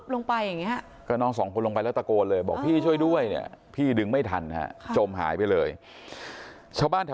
แล้วน้องอีกคนหนึ่งจะขึ้นปรากฏว่าต้องมาจมน้ำเสียชีวิตทั้งคู่